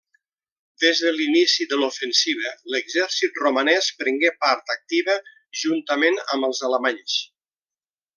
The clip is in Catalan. Des de l'inici de l'ofensiva, l'exèrcit romanès prengué part activa juntament amb els alemanys.